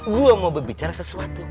gue mau berbicara sesuatu